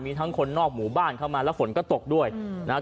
มีทั้งคนนอกหมู่บ้านเข้ามาแล้วฝนก็ตกด้วยนะครับ